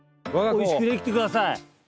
おいしく出来てください。